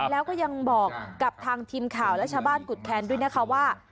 แล้วก็ยังบอกกับทางทีมข่าวและชาวบ้านกุฎแคนด้วยนะคะว่า